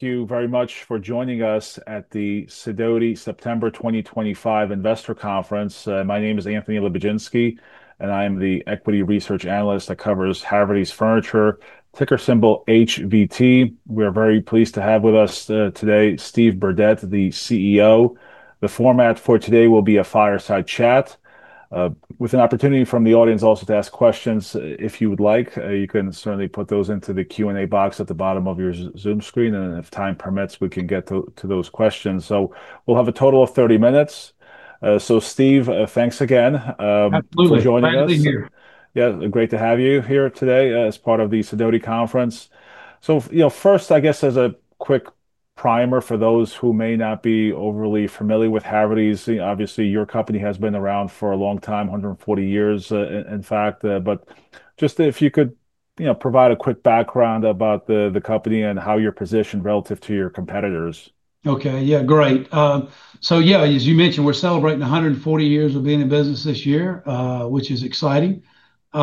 Thank you very much for joining us at the Sidoti September 2025 Investor Conference. My name is Anthony Lebiedzinski, and I am the Equity Research Analyst that covers Havertys Furniture ticker symbol HVT. We are very pleased to have with us today Steve Burdette, the CEO. The format for today will be a Fireside Chat, with an opportunity from the audience also to ask questions. If you would like, you can certainly put those into the Q&A box at the bottom of your Zoom screen, and if time permits, we can get to those questions. We'll have a total of 30 minutes. Steve, thanks again for joining us. Absolutely, glad to be here. Yeah, great to have you here today as part of the Sidoti Conference. First, I guess as a quick primer for those who may not be overly familiar with Havertys, obviously your company has been around for a long time, 140 years, in fact, but just if you could, you know, provide a quick background about the company and how you're positioned relative to your competitors. Okay, yeah, great. As you mentioned, we're celebrating 140 years of being in business this year, which is exciting. You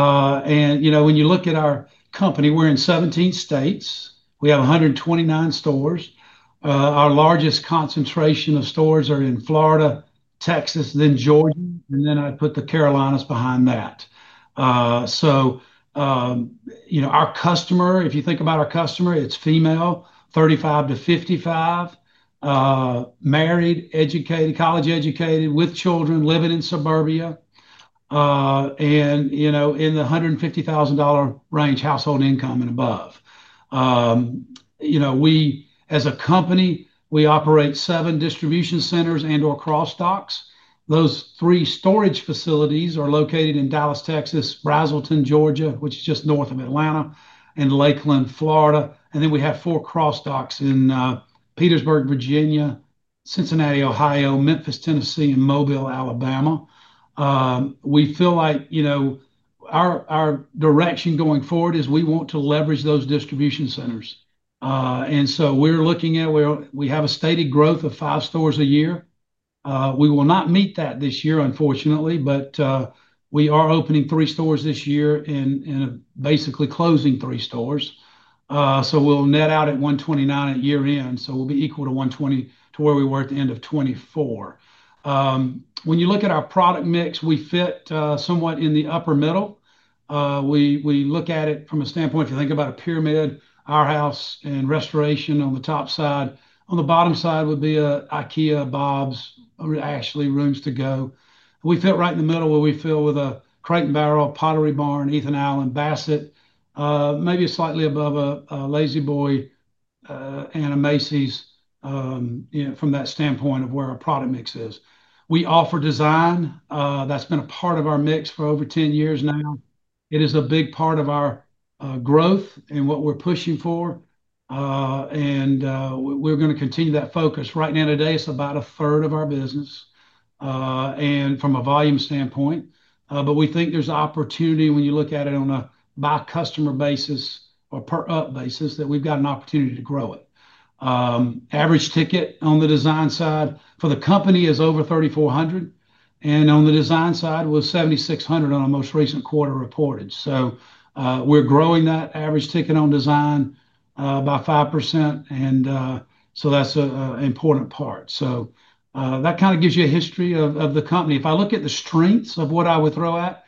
know, when you look at our company, we're in 17 states. We have 129 stores. Our largest concentration of stores are in Florida, Texas, and then Georgia, and then I put the Carolinas behind that. You know, our customer, if you think about our customer, it's female, 35-55, married, educated, college educated, with children, living in suburbia, and, you know, in the $150,000 range household income and above. We, as a company, operate seven distribution centers and/or cross docks. Those three storage facilities are located in Dallas, Texas, Braselton, Georgia, which is just north of Atlanta, and Lakeland, Florida. We have four cross docks in Petersburg, Virginia, Cincinnati, Ohio, Memphis, Tennessee, and Mobile, Alabama. We feel like our direction going forward is we want to leverage those distribution centers. We're looking at, we have a stated growth of five stores a year. We will not meet that this year, unfortunately, but we are opening three stores this year and basically closing three stores. We'll net out at 129 at year end, so we'll be equal to where we were at the end of 2024. When you look at our product mix, we fit somewhat in the upper middle. We look at it from a standpoint, if you think about a pyramid, our house and restoration on the top side. On the bottom side would be an IKEA, Bob's, actually Rooms To Go. We fit right in the middle where we feel with a Crate & Barrel, Pottery Barn, Ethan Allen, Bassett, maybe slightly above a La-Z-Boy and Macy's, you know, from that standpoint of where our product mix is. We offer design, that's been a part of our mix for over 10 years now. It is a big part of our growth and what we're pushing for, and we're going to continue that focus. Right now, today, it's about a third of our business from a volume standpoint, but we think there's opportunity when you look at it on a by-customer basis or per-up basis that we've got an opportunity to grow it. Average ticket on the design side for the company is over $3,400, and on the design side was $7,600 on our most recent quarter reported. We're growing that average ticket on design by 5%, and that's an important part. That kind of gives you a history of the company. If I look at the strengths of what I would throw at,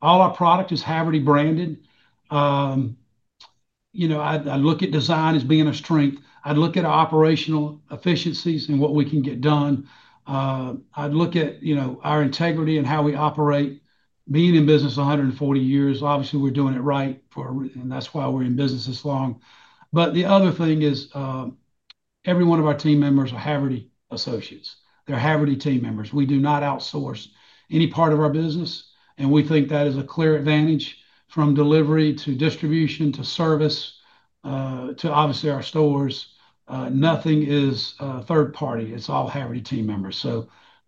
all our product is Haverty branded. I’d look at design as being a strength. I’d look at our operational efficiencies and what we can get done. I’d look at, you know, our integrity and how we operate. Being in business 140 years, obviously we're doing it right, and that's why we're in business this long. The other thing is, every one of our team members are Haverty associates. They're Haverty team members. We do not outsource any part of our business, and we think that is a clear advantage from delivery to distribution to service, to obviously our stores. Nothing is a third party. It's all Haverty team members.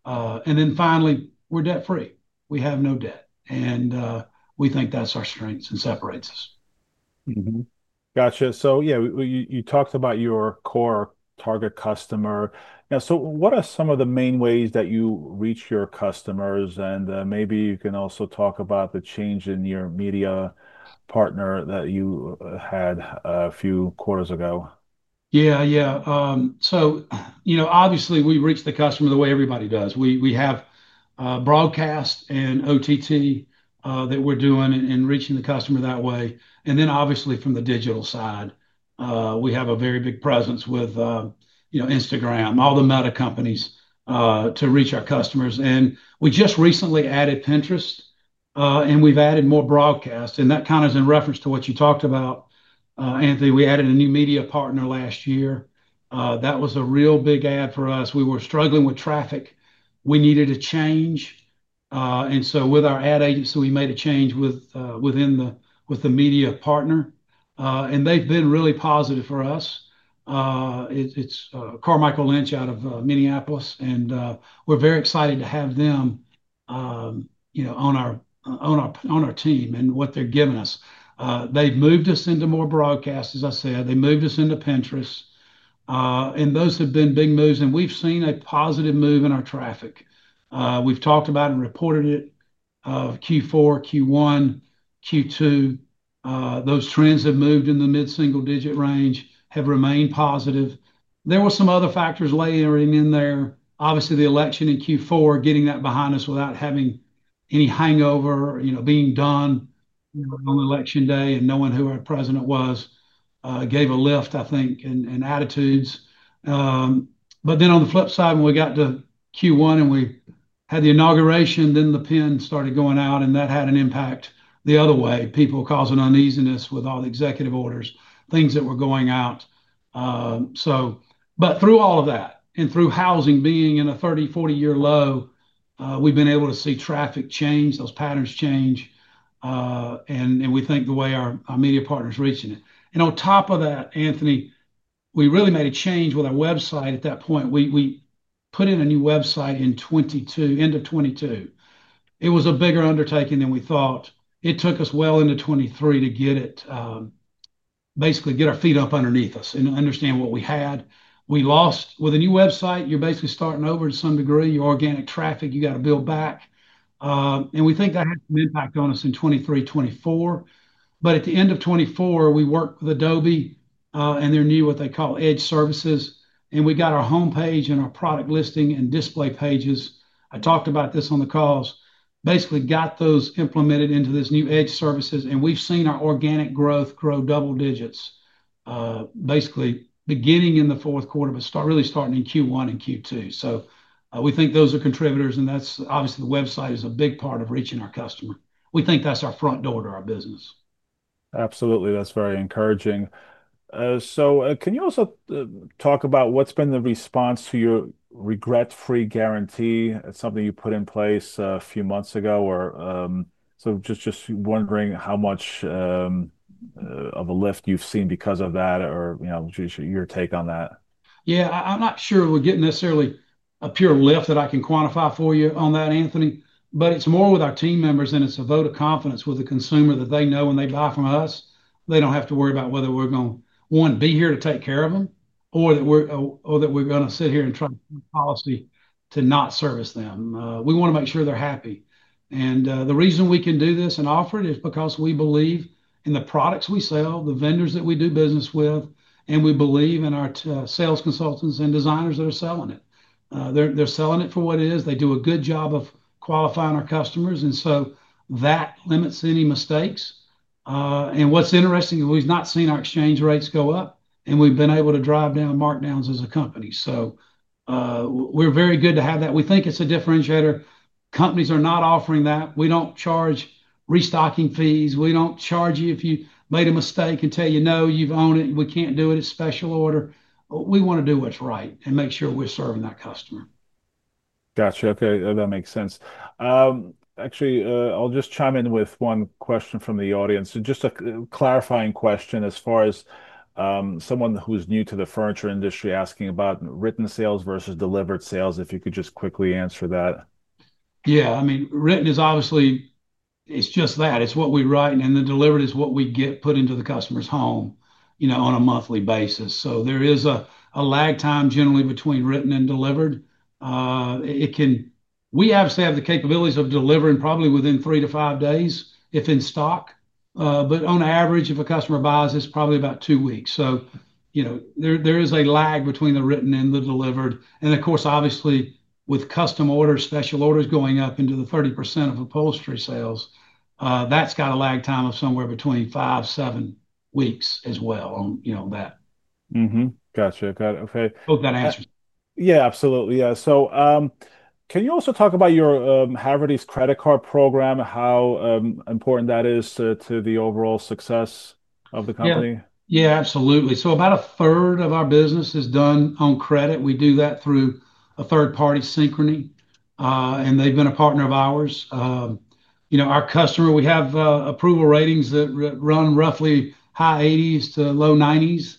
Finally, we're debt-free. We have no debt, and we think that's our strengths and separates us. Mm-hmm. Gotcha. You talked about your core target customer. What are some of the main ways that you reach your customers? Maybe you can also talk about the change in your media partner that you had a few quarters ago. Yeah, yeah. You know, obviously we reach the customer the way everybody does. We have broadcast and OTT that we're doing and reaching the customer that way. From the digital side, we have a very big presence with Instagram, all the Meta companies, to reach our customers. We just recently added Pinterest, and we've added more broadcast. That is in reference to what you talked about, Anthony. We added a new media partner last year. That was a real big add for us. We were struggling with traffic. We needed a change. With our ad agency, we made a change with the media partner, and they've been really positive for us. It's Carmichael Lynch out of Minneapolis, and we're very excited to have them on our team and what they're giving us. They've moved us into more broadcast, as I said. They moved us into Pinterest, and those have been big moves, and we've seen a positive move in our traffic. We've talked about it and reported it, Q4, Q1, Q2. Those trends have moved in the mid-single-digit range, have remained positive. There were some other factors layering in there. Obviously, the election in Q4, getting that behind us without having any hangover, being done on election day and knowing who our president was, gave a lift, I think, in attitudes. On the flip side, when we got to Q1 and we had the inauguration, then the pin started going out, and that had an impact the other way. People causing uneasiness with all the executive orders, things that were going out. Through all of that and through housing being in a 30, 40-year low, we've been able to see traffic change, those patterns change. We think the way our media partner's reaching it. On top of that, Anthony, we really made a change with our website at that point. We put in a new website in 2022, end of 2022. It was a bigger undertaking than we thought. It took us well into 2023 to basically get our feet up underneath us and understand what we had. We lost, with a new website, you're basically starting over to some degree, your organic traffic you got to build back. We think that had an impact on us in 2023, 2024. At the end of 2024, we worked with Adobe and their new, what they call, Adobe Edge Services. We got our homepage and our product listing and display pages. I talked about this on the calls, basically got those implemented into this new Adobe Edge Services, and we've seen our organic growth grow double digits, basically beginning in the fourth quarter, but really starting in Q1 and Q2. We think those are contributors, and that's obviously the website is a big part of reaching our customer. We think that's our front door to our business. Absolutely. That's very encouraging. Can you also talk about what's been the response to your regret-free guarantee? It's something you put in place a few months ago, so just wondering how much of a lift you've seen because of that, or your take on that. Yeah, I'm not sure we're getting necessarily a pure lift that I can quantify for you on that, Anthony, but it's more with our team members, and it's a vote of confidence with the consumer that they know when they buy from us, they don't have to worry about whether we're going to, one, be here to take care of them, or that we're going to sit here and try to policy to not service them. We want to make sure they're happy. The reason we can do this and offer it is because we believe in the products we sell, the vendors that we do business with, and we believe in our sales consultants and designers that are selling it. They're selling it for what it is. They do a good job of qualifying our customers, and that limits any mistakes. What's interesting is we've not seen our exchange rates go up, and we've been able to drive down markdowns as a company. We're very good to have that. We think it's a differentiator. Companies are not offering that. We don't charge restocking fees. We don't charge you if you made a mistake and tell you, no, you've owned it, we can't do it, it's special order. We want to do what's right and make sure we're serving that customer. Gotcha. Okay. That makes sense. I'll just chime in with one question from the audience. Just a clarifying question as far as someone who's new to the furniture industry asking about written sales versus delivered sales, if you could just quickly answer that. Yeah, I mean, written is obviously, it's just that. It's what we write, and then the delivered is what we get put into the customer's home, you know, on a monthly basis. There is a lag time generally between written and delivered. We obviously have the capabilities of delivering probably within three to five days if in stock, but on average, if a customer buys, it's probably about two weeks. There is a lag between the written and the delivered. Of course, obviously with custom orders, special orders going up into the 30% of upholstery sales, that's got a lag time of somewhere between five, seven weeks as well on, you know, that. Mm-hmm.Got it. Okay. I hope that answers. Yeah, absolutely. Can you also talk about your Havertys credit card program and how important that is to the overall success of the company? Yeah, absolutely. About a third of our business is done on credit. We do that through a third-party, Synchrony, and they've been a partner of ours. Our customer approval ratings run roughly high 80%-low 90%,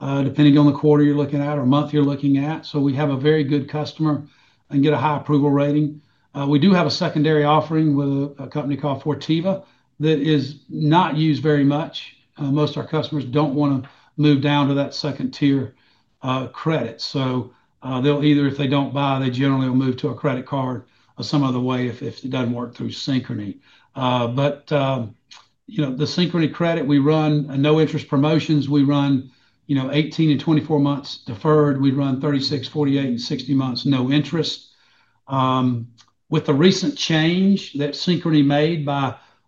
depending on the quarter or month you're looking at. We have a very good customer and get a high approval rating. We do have a secondary offering with a company called Fortiva that is not used very much. Most of our customers don't want to move down to that second tier credit. If they don't buy, they generally will move to a credit card or some other way if it doesn't work through Synchrony. The Synchrony credit, we run no interest promotions, we run 18 and 24 months deferred. We run 36, 48, and 60 months no interest. With the recent change that Synchrony made,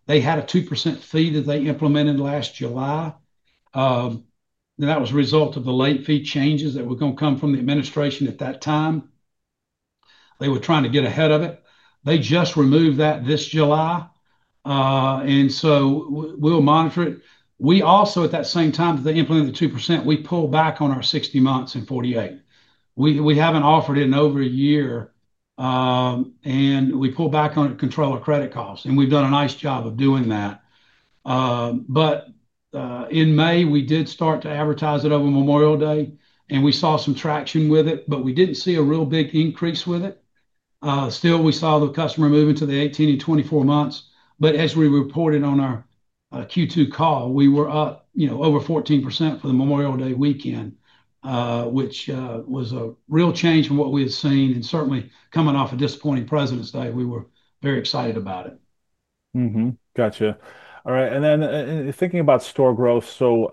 they had a 2% fee that they implemented last July. That was a result of the late fee changes that were going to come from the administration at that time. They were trying to get ahead of it. They just removed that this July, and we will monitor it. At that same time that they implemented the 2%, we pulled back on our 60 months and 48. We haven't offered it in over a year, and we pulled back on it to control our credit costs. We've done a nice job of doing that. In May, we did start to advertise it over Memorial Day, and we saw some traction with it, but we didn't see a real big increase with it. Still, we saw the customer move into the 18 and 24 months, but as we reported on our Q2 call, we were up over 14% for the Memorial Day weekend, which was a real change from what we had seen. Certainly, coming off a disappointing President's Day, we were very excited about it. Mm-hmm.Gotcha. All right. Thinking about store growth, I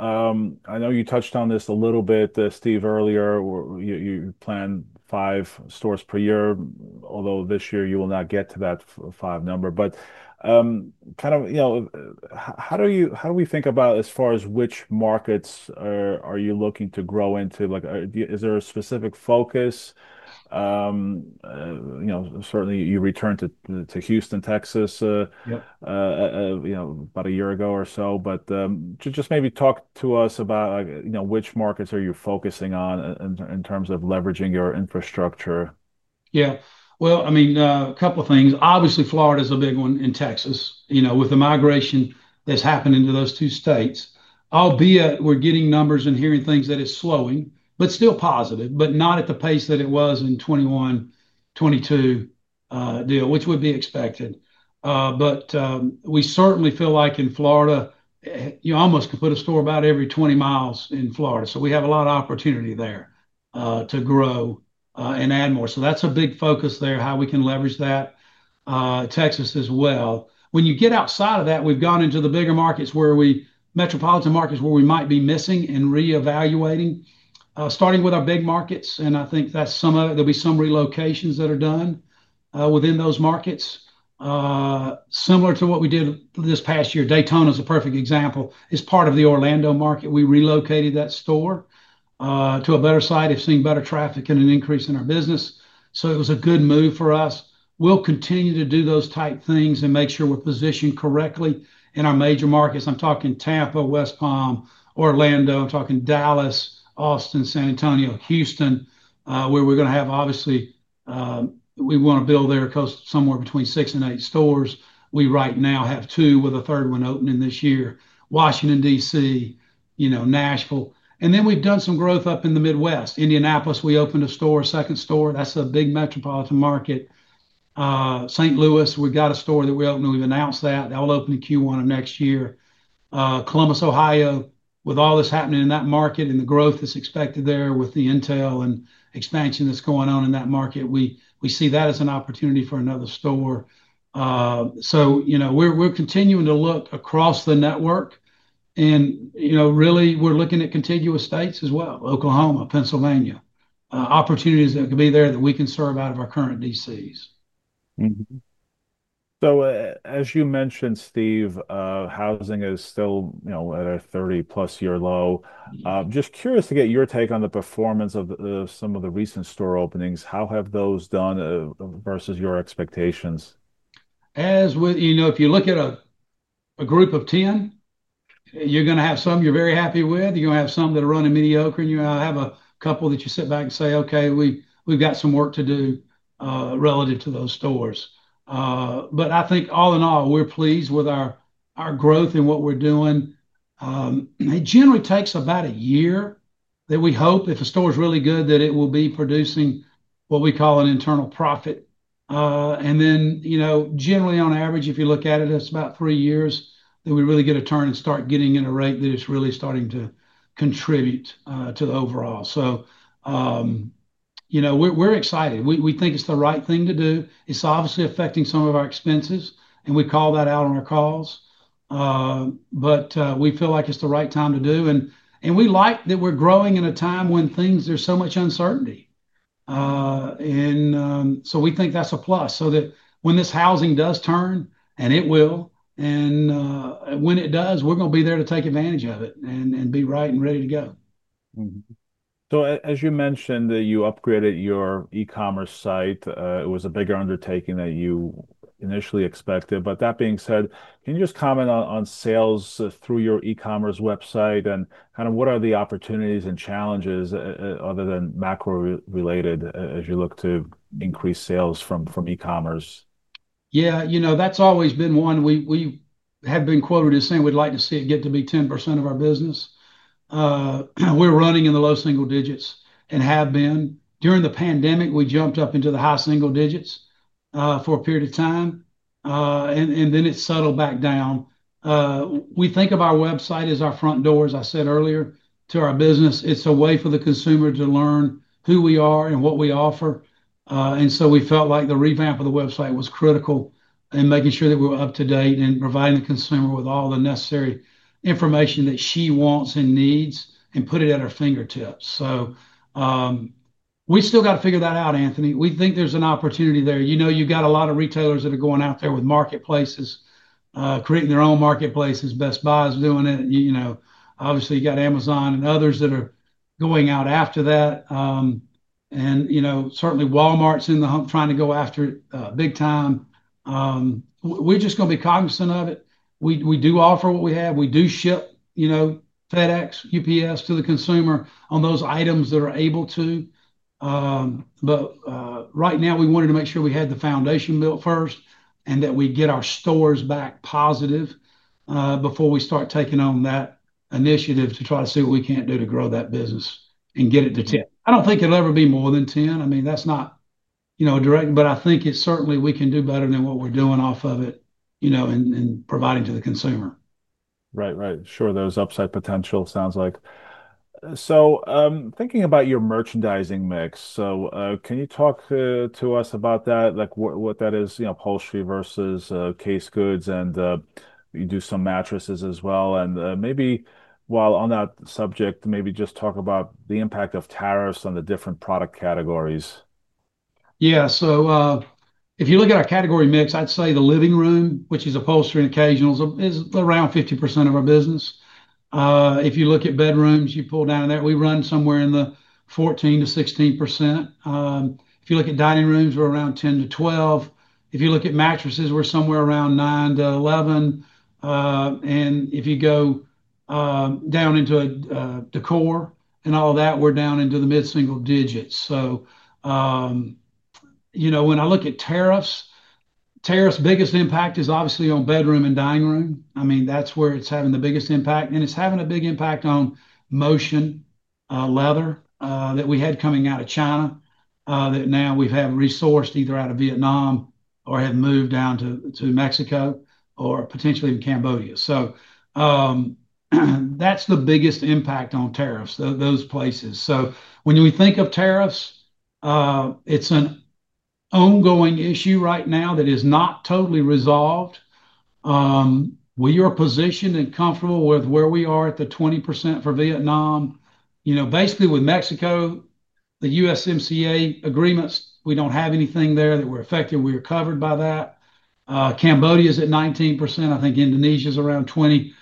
know you touched on this a little bit, Steve, earlier. You plan five stores per year, although this year you will not get to that five number. How do we think about as far as which markets are you looking to grow into? Is there a specific focus? You certainly returned to Houston, Texas, about a year ago or so. Maybe talk to us about which markets you are focusing on in terms of leveraging your infrastructure. Yeah, a couple of things. Obviously, Florida is a big one and Texas, with the migration that's happening to those two states, albeit we're getting numbers and hearing things that are slowing, but still positive, but not at the pace that it was in 2021, 2022, which would be expected. We certainly feel like in Florida, you almost could put a store about every 20 miles in Florida. We have a lot of opportunity there to grow and add more. That's a big focus there, how we can leverage that, Texas as well. When you get outside of that, we've gone into the bigger markets, metropolitan markets where we might be missing and reevaluating, starting with our big markets. I think that's some of it. There'll be some relocations that are done within those markets, similar to what we did this past year. Daytona is a perfect example. It's part of the Orlando market. We relocated that store to a better site, seeing better traffic and an increase in our business. It was a good move for us. We'll continue to do those type things and make sure we're positioned correctly in our major markets. I'm talking Tampa, West Palm, Orlando. I'm talking Dallas, Austin, San Antonio, Houston, where we're going to have, obviously, we want to build there, somewhere between six and eight stores. We right now have two with a third one opening this year, Washington, DC, Nashville. We've done some growth up in the Midwest, Indianapolis. We opened a store, second store. That's a big metropolitan market. St. Louis, we've got a store that we opened and we've announced that. That will open in Q1 of next year. Columbus, Ohio, with all that's happening in that market and the growth that's expected there with the Intel and expansion that's going on in that market, we see that as an opportunity for another store. We're continuing to look across the network and really we're looking at contiguous states as well, Oklahoma, Pennsylvania, opportunities that could be there that we can serve out of our current DCs. As you mentioned, Steve, housing is still, you know, at a 30+ year low. Just curious to get your take on the performance of some of the recent store openings. How have those done versus your expectations? As with, you know, if you look at a group of 10, you're going to have some you're very happy with. You're going to have some that are running mediocre, and you have a couple that you sit back and say, okay, we've got some work to do, relative to those stores. I think all in all, we're pleased with our growth and what we're doing. It generally takes about a year that we hope if a store is really good that it will be producing what we call an internal profit. Then, you know, generally on average, if you look at it, it's about three years that we really get a turn and start getting in a rate that it's really starting to contribute to the overall. You know, we're excited. We think it's the right thing to do. It's obviously affecting some of our expenses, and we call that out on our calls. We feel like it's the right time to do. We like that we're growing in a time when things, there's so much uncertainty. We think that's a plus. When this housing does turn, and it will, when it does, we're going to be there to take advantage of it and be right and ready to go. Mm-hmm.As you mentioned that you upgraded your e-commerce site, it was a bigger undertaking than you initially expected. That being said, can you just comment on sales through your e-commerce website and kind of what are the opportunities and challenges other than macro-related as you look to increase sales from e-commerce? Yeah, you know, that's always been one. We have been quoted as saying we'd like to see it get to be 10% of our business. We're running in the low single digits and have been. During the pandemic, we jumped up into the high single digits for a period of time, and then it settled back down. We think of our website as our front doors, as I said earlier, to our business. It's a way for the consumer to learn who we are and what we offer, and we felt like the revamp of the website was critical in making sure that we were up to date and providing the consumer with all the necessary information that she wants and needs and put it at her fingertips. We still got to figure that out, Anthony. We think there's an opportunity there. You know, you've got a lot of retailers that are going out there with marketplaces, creating their own marketplaces. Best Buy is doing it. Obviously, you've got Amazon and others that are going out after that, and certainly Walmart's in the hunt trying to go after, big time. We're just going to be cognizant of it. We do offer what we have. We do ship, you know, FedEx, UPS to the consumer on those items that are able to, but right now we wanted to make sure we had the foundation built first and that we get our stores back positive before we start taking on that initiative to try to see what we can't do to grow that business and get it to 10%. I don't think it'll ever be more than 10%. I mean, that's not, you know, a direct, but I think certainly we can do better than what we're doing off of it, you know, and providing to the consumer. Right, right. Sure. There's upside potential, sounds like. Thinking about your merchandising mix, can you talk to us about that, like what that is, you know, upholstery versus case goods, and you do some mattresses as well. Maybe while on that subject, just talk about the impact of tariffs on the different product categories. Yeah, so, if you look at our category mix, I'd say the living room, which is upholstery and occasionals, is around 50% of our business. If you look at bedrooms, you pull down that we run somewhere in the 14%-6%. If you look at dining rooms, we're around 10%-12%. If you look at mattresses, we're somewhere around 9%-11%. If you go down into decor and all of that, we're down into the mid-single digits. When I look at tariffs, tariffs' biggest impact is obviously on bedroom and dining room. I mean, that's where it's having the biggest impact. It's having a big impact on motion, leather, that we had coming out of China, that now we've had resourced either out of Vietnam or have moved down to Mexico or potentially in Cambodia. That's the biggest impact on tariffs, those places. When we think of tariffs, it's an ongoing issue right now that is not totally resolved. We are positioned and comfortable with where we are at the 20% for Vietnam. Basically, with Mexico, the USMCA agreements, we don't have anything there that we're affected. We are covered by that. Cambodia is at 19%. I think Indonesia is around 20%.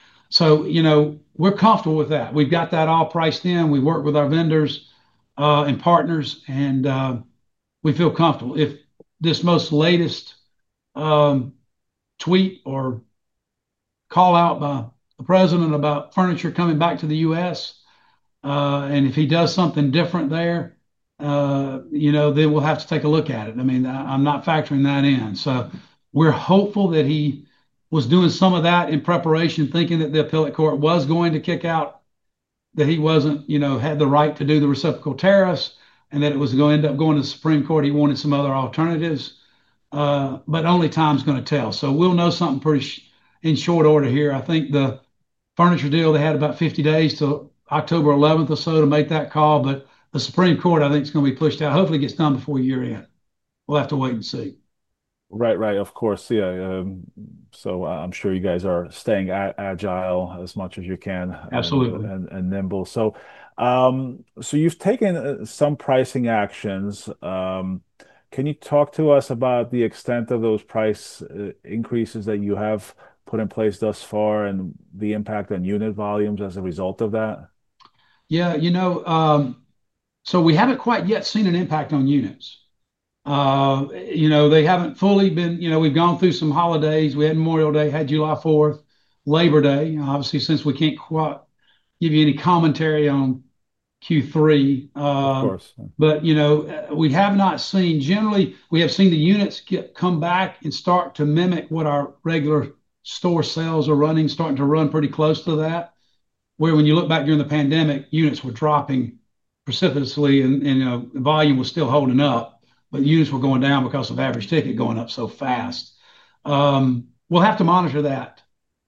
We're comfortable with that. We've got that all priced in. We've worked with our vendors and partners, and we feel comfortable. If this most latest tweet or call out by the president about furniture coming back to the U.S., and if he does something different there, then we'll have to take a look at it. I mean, I'm not factoring that in. We're hopeful that he was doing some of that in preparation, thinking that the appellate court was going to kick out that he wasn't, you know, had the right to do the reciprocal tariffs and that it was going to end up going to the Supreme Court. He wanted some other alternatives, but only time's going to tell. We'll know something pretty in short order here. I think the furniture deal, they had about 50 days till October 11 or so to make that call, but the Supreme Court, I think it's going to be pushed out. Hopefully, it gets done before year end. We'll have to wait and see. Right, right. Of course. I'm sure you guys are staying agile as much as you can. Absolutely. You've taken some pricing actions. Can you talk to us about the extent of those price increases that you have put in place thus far and the impact on unit volumes as a result of that? Yeah, you know, we haven't quite yet seen an impact on units. They haven't fully been, you know, we've gone through some holidays. We had Memorial Day, had July 4th, Labor Day. Obviously, since we can't quite give you any commentary on Q3, of course, but we have not seen, generally, we have seen the units come back and start to mimic what our regular store sales are running, starting to run pretty close to that. Where when you look back during the pandemic, units were dropping precipitously and the volume was still holding up, but units were going down because of average ticket going up so fast. We'll have to monitor that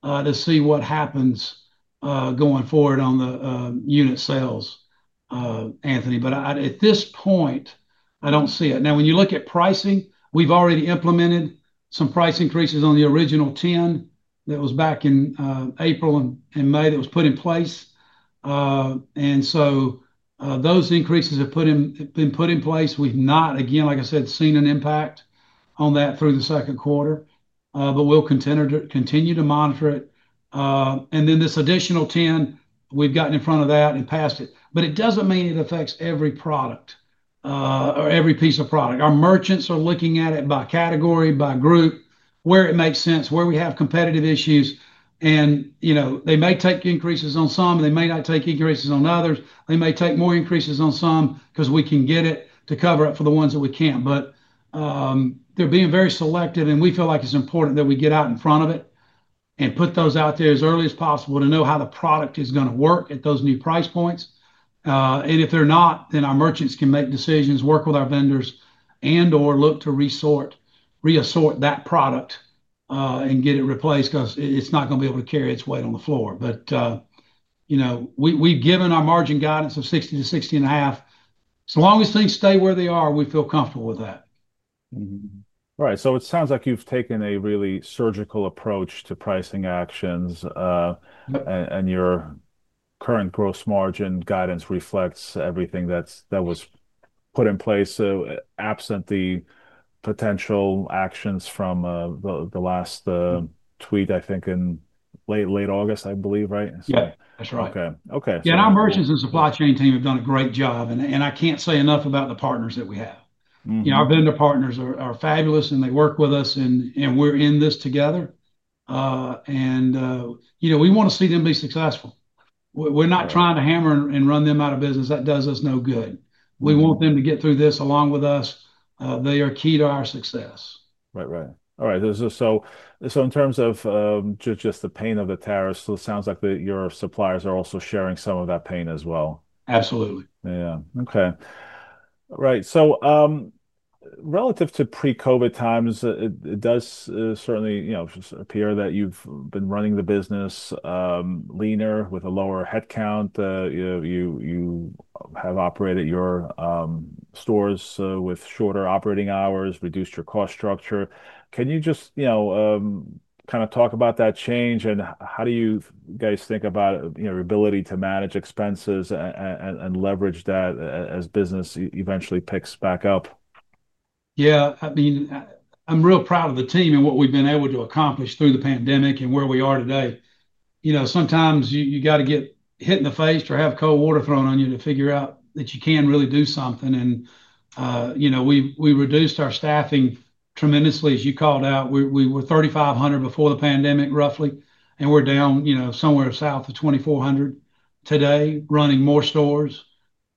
to see what happens going forward on the unit sales, Anthony. At this point, I don't see it. Now, when you look at pricing, we've already implemented some price increases on the original 10% that was back in April and May that was put in place. Those increases have been put in place. We've not, again, like I said, seen an impact on that through the second quarter. We'll continue to monitor it. This additional 10%, we've gotten in front of that and passed it, but it doesn't mean it affects every product or every piece of product. Our merchants are looking at it by category, by group, where it makes sense, where we have competitive issues, and they may take increases on some, and they may not take increases on others. They may take more increases on some because we can get it to cover up for the ones that we can't. They're being very selective, and we feel like it's important that we get out in front of it and put those out there as early as possible to know how the product is going to work at those new price points. If they're not, then our merchants can make decisions, work with our vendors, and/or look to reassort that product and get it replaced because it's not going to be able to carry its weight on the floor. We've given our margin guidance of 60%-60.5%. So long as things stay where they are, we feel comfortable with that. Right. It sounds like you've taken a really surgical approach to pricing actions, and your current gross margin guidance reflects everything that was put in place, absent the potential actions from the last tweet, I think in late August, I believe, right? Yeah, that's right. Okay. Okay. Yeah, our merchants and supply chain team have done a great job, and I can't say enough about the partners that we have. You know, our vendor partners are fabulous, and they work with us, and we're in this together. You know, we want to see them be successful. We're not trying to hammer and run them out of business. That does us no good. We want them to get through this along with us. They are key to our success. Right. All right. In terms of just the pain of the tariffs, it sounds like your suppliers are also sharing some of that pain as well. Absolutely. Okay. All right. Relative to pre-COVID times, it does certainly appear that you've been running the business leaner with a lower headcount. You have operated your stores with shorter operating hours and reduced your cost structure. Can you just talk about that change and how you guys think about your ability to manage expenses and leverage that as business eventually picks back up? Yeah, I mean, I'm real proud of the team and what we've been able to accomplish through the pandemic and where we are today. You know, sometimes you got to get hit in the face or have cold water thrown on you to figure out that you can really do something. You know, we reduced our staffing tremendously, as you called out. We were 3,500 before the pandemic, roughly, and we're down, you know, somewhere south of 2,400 today, running more stores.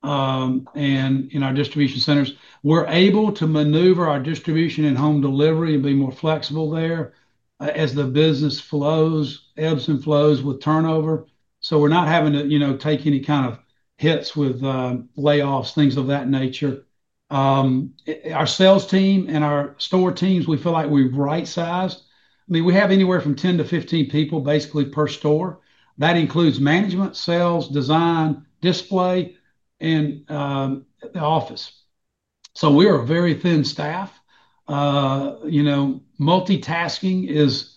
In our distribution centers, we're able to maneuver our distribution and home delivery and be more flexible there, as the business flows, ebbs and flows with turnover. We're not having to take any kind of hits with layoffs, things of that nature. Our sales team and our store teams, we feel like we've right-sized. I mean, we have anywhere from 10-15 people basically per store. That includes management, sales, design, display, and the office. We are a very thin staff. You know, multitasking is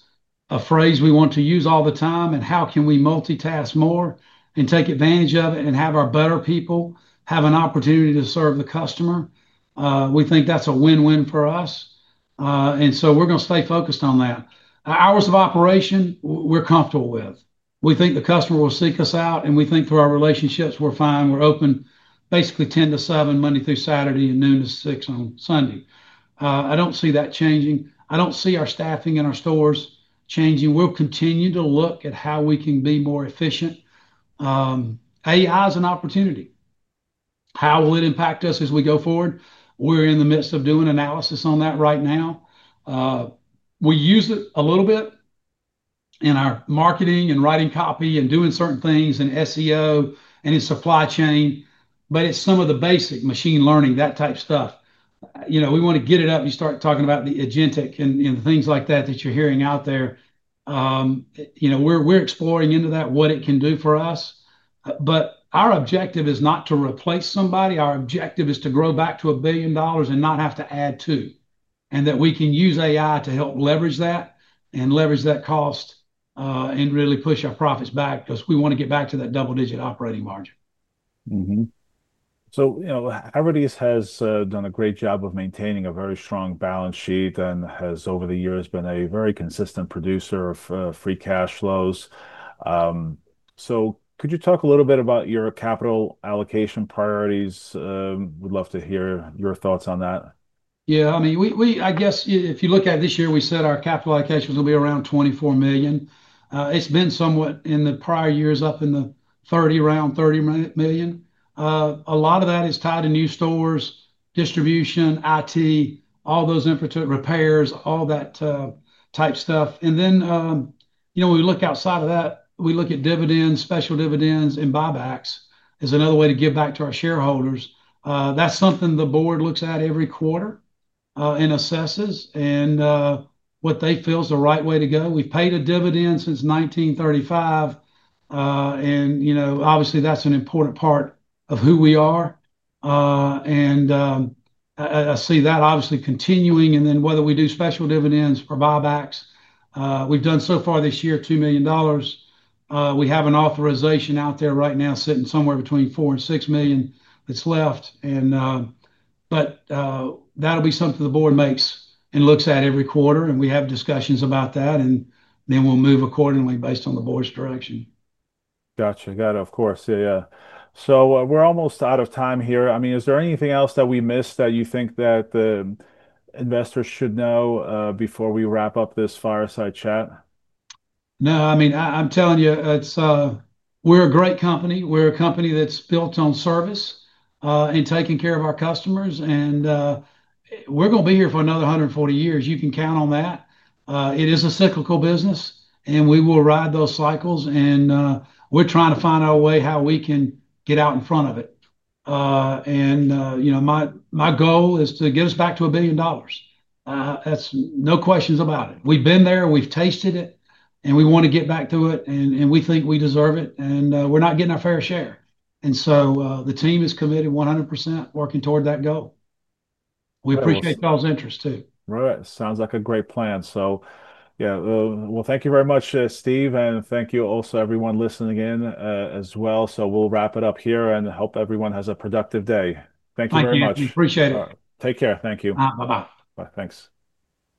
a phrase we want to use all the time. How can we multitask more and take advantage of it and have our better people have an opportunity to serve the customer? We think that's a win-win for us, and we're going to stay focused on that. Our hours of operation, we're comfortable with. We think the customer will seek us out, and we think through our relationships, we're fine. We're open basically 10:00 A.M. to 7:00 P.M., Monday through Saturday, and noon to 6:00 P.M. on Sunday. I don't see that changing. I don't see our staffing in our stores changing. We'll continue to look at how we can be more efficient. AI is an opportunity. How will it impact us as we go forward? We're in the midst of doing analysis on that right now. We use it a little bit in our marketing and writing copy and doing certain things in SEO and in supply chain, but it's some of the basic machine learning, that type of stuff. We want to get it up and start talking about the agentic and things like that that you're hearing out there. We're exploring into that, what it can do for us. Our objective is not to replace somebody. Our objective is to grow back to a billion dollars and not have to add to, and that we can use AI to help leverage that and leverage that cost, and really push our profits back because we want to get back to that double-digit operating margin. Mm-hmm. Havertys has done a great job of maintaining a very strong balance sheet and has over the years been a very consistent producer of free cash flows. Could you talk a little bit about your capital allocation priorities? We'd love to hear your thoughts on that. Yeah, I mean, if you look at it this year, we said our capital allocation was going to be around $24 million. It's been somewhat in the prior years up in the $30, around $30 million. A lot of that is tied to new stores, distribution, IT, all those infrastructure repairs, all that type stuff. You know, when we look outside of that, we look at dividends, special dividends, and buybacks as another way to give back to our shareholders. That's something the board looks at every quarter and assesses, and what they feel is the right way to go. We've paid a dividend since 1935, and, you know, obviously that's an important part of who we are. I see that obviously continuing. Whether we do special dividends or buybacks, we've done so far this year, $2 million. We have an authorization out there right now sitting somewhere between $4 and $6 million that's left. That'll be something the board makes and looks at every quarter. We have discussions about that, and then we'll move accordingly based on the board's direction. Got it. Of course. Yeah, yeah. We're almost out of time here. Is there anything else that we missed that you think the investors should know before we wrap up this fireside chat? No, I mean, I'm telling you, we're a great company. We're a company that's built on service and taking care of our customers. We're going to be here for another 140 years. You can count on that. It is a cyclical business, and we will ride those cycles. We're trying to find our way, how we can get out in front of it. My goal is to get us back to a billion dollars. That's no questions about it. We've been there, we've tasted it, and we want to get back to it, and we think we deserve it. We're not getting our fair share, and the team is committed 100% working toward that goal. We appreciate y'all's interest too. All right. Sounds like a great plan. Thank you very much, Steve, and thank you also everyone listening in as well. We'll wrap it up here, and I hope everyone has a productive day. Thank you very much. Thank you. Appreciate it. Take care. Thank you. Bye-bye. Bye. Thanks.